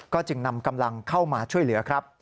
จึงนำกำลังเข้ามาช่วยเหลือครับ